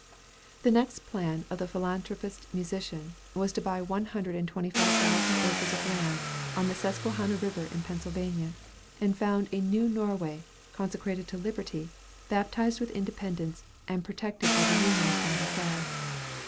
The next plan of the philanthropist musician was to buy one hundred and twenty five thousand acres of land on the Susquehanna River, in Pennsylvania, and "found a New Norway, consecrated to liberty, baptized with independence, and protected by the Union's mighty flag."